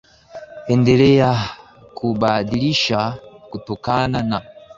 endelea kubadilisha kutokana na